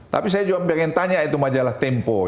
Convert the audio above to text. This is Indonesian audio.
tapi saya juga pengen tanya itu majalah tempo